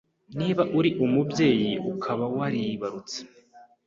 Niba uri umubyeyi ukaba waribarutse